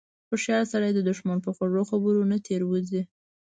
هوښیار سړی د دښمن په خوږو خبرو نه تیر وځي.